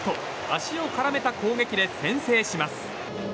足を絡めた攻撃で先制します。